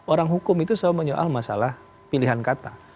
orang hukum itu selalu menyoal masalah pilihan kata